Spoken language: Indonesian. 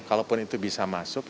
kalaupun itu bisa masuk